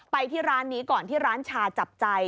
ไปที่ร้านนี้ก่อนที่ร้านชาจับใจ